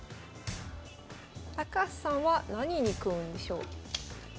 高橋さんは何に組むんでしょう？